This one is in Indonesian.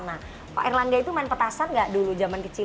nah pak erlangga itu main petasan nggak dulu zaman kecil